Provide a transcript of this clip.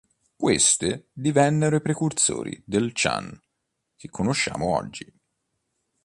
Queste divennero i precursori del Chan che conosciamo oggi.